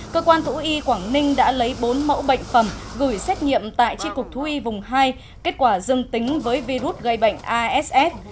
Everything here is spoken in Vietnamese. cơ quan thú y quảng ninh đã lấy bốn mẫu bệnh phẩm gửi xét nghiệm tại tri cục thú y vùng hai kết quả dương tính với virus gây bệnh ass